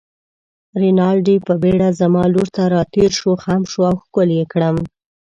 رینالډي په بېړه زما لور ته راتېر شو، خم شو او ښکل يې کړم.